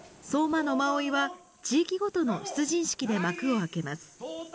馬追は地域ごとの出陣式で幕を開けます。